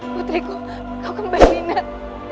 putriku kau kembali ingat